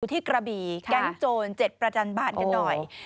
ที่กระบี่แก๊งโจร๗ประจันบาดกันหน่อย